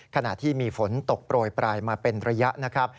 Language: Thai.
ขณะที่มีฝนตกโปรยปลายมาเป็นระยะนะครับ